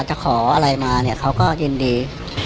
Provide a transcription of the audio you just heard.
จะขออะไรมาเขาก็ยินดี